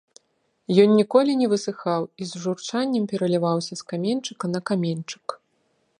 Ён ніколі не высыхаў і з журчаннем пераліваўся з каменьчыка на каменьчык.